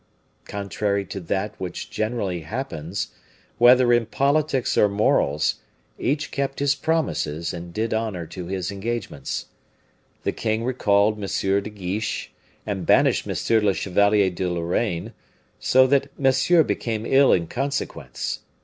Contrary to that which generally happens, whether in politics or morals, each kept his promises, and did honor to his engagements. The king recalled M. de Guiche, and banished M. le Chevalier de Lorraine; so that Monsieur became ill in consequence.